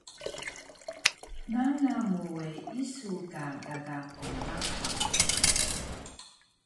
Nangal mu we isu ka gaga qmlahang